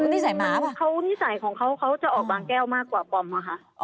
นิสัยของเขาเขาจะออกบางแก้วมากกว่าป่อมค่ะ